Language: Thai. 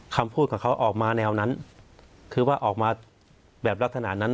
คำพูดของเขาออกมาแนวนั้นคือว่าออกมาแบบลักษณะนั้น